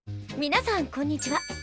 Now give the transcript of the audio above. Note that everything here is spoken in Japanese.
みなさんこんにちは。